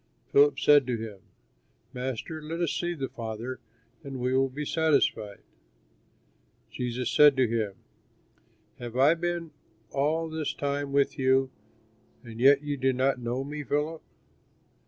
Philip said to him, "Master, let us see the Father and we will be satisfied." Jesus said to him, "Have I been all this time with you and yet you do not know me, Philip?